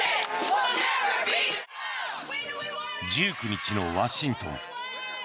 １９日のワシントン。